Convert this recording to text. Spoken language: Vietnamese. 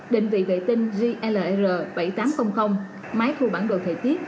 định vị vệ tinh glr bảy nghìn tám trăm linh máy thu bản đồ thời tiết